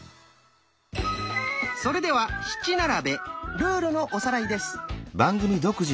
それでは「七並べ」ルールのおさらいです。